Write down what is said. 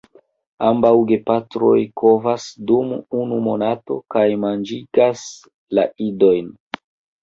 Ambaŭ gepatroj kovas dum unu monato kaj manĝigas la idojn.